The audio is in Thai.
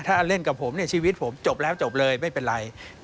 ถ้าเล่นกับผมชีวิตผมจบแล้วจบเลยไม่เป็นไร